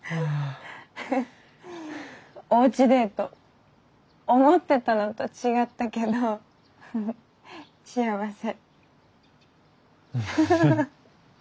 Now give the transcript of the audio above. おうちデート思ってたのと違ったけど幸せ。